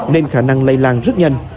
nên khả năng lây lan rất nhanh